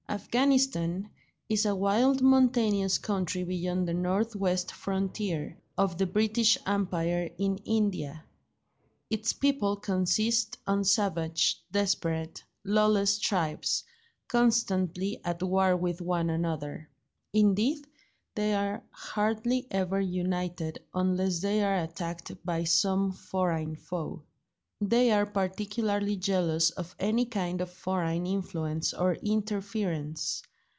Afghanistan is a wild mountainous country beyond the north west frontier of the British Empire in India. Its people consist of savage, desperate, lawless tribes, constantly at war with one another; indeed, they are hardly ever united unless they are attacked by some foreign foe. They are particularly jealous of any kind of foreign influence or interference.